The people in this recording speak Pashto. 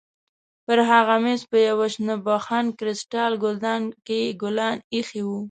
پر هغه مېز په یوه شنه بخون کریسټال ګلدان کې ګلان ایښي وو.